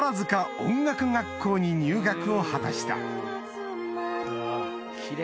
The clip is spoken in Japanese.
音楽学校に入学を果たしたうわ奇麗。